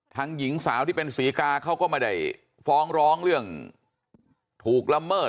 หญิงสาวที่เป็นศรีกาเขาก็ไม่ได้ฟ้องร้องเรื่องถูกละเมิด